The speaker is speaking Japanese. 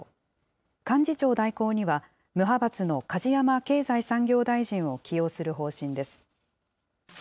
幹事長代行には、無派閥の梶山経済産業大臣を起用する方針です。